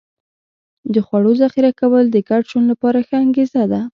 د خوړو ذخیره کول د ګډ ژوند لپاره ښه انګېزه ده.